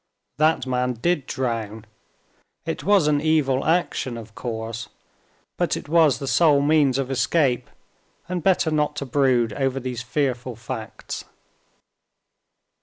That man did drown. It was an evil action, of course, but it was the sole means of escape, and better not to brood over these fearful facts.